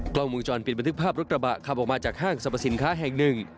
กล้องวงจรปิดบันทึกภาพรถกระบะขับออกมาจากห้างสรรพสินค้าแห่งหนึ่ง